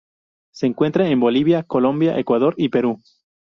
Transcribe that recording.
Se encuentra en Bolivia, Colombia, Ecuador, y Perú.